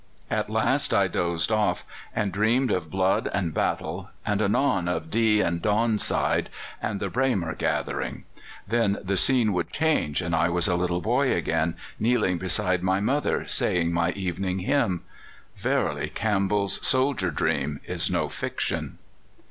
At last I dozed off and dreamed of blood and battle, and anon of Dee or Don side and the Braemar gathering; then the scene would change, and I was a little boy again, kneeling beside my mother, saying my evening hymn. Verily Campbell's 'Soldier's Dream' is no fiction."